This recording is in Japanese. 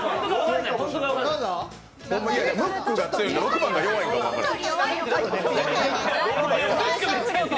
ムックが強いんか６番が弱いんか分からない。